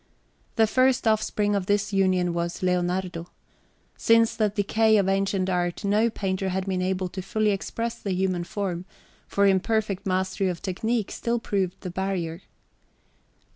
The first offspring of this union was Leonardo. Since the decay of ancient art no painter had been able to fully express the human form, for imperfect mastery of technique still proved the barrier.